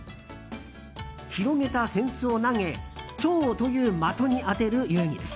広げた扇子を投げ蝶という的に当てる遊戯です。